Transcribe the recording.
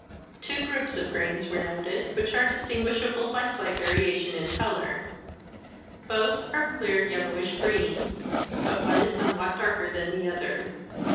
Two groups of grains were noted which are distinguishable by slight variation in color. Both are clear yellowish green, but one is somewhat darker than the other.